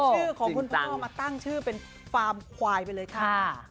ชื่อของคุณพ่อมาตั้งชื่อเป็นฟาร์มควายไปเลยค่ะ